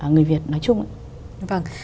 người việt nói chung